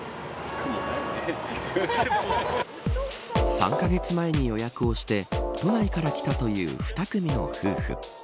３カ月前に予約をして都内からきたという２組の夫婦。